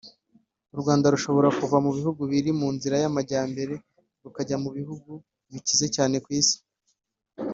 u Rwanda rushobora kuva mu bihugu biri mu nzira y'amajyambere rukajya mu bihugu bikize cyane ku isi